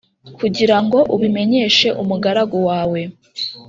kugira ngo ubimenyeshe umugaragu wawe.